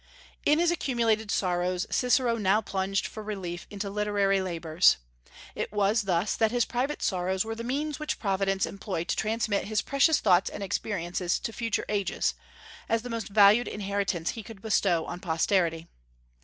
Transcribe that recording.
In his accumulated sorrows Cicero now plunged for relief into literary labors. It was thus that his private sorrows were the means which Providence employed to transmit his precious thoughts and experiences to future ages, as the most valued inheritance he could bestow on posterity.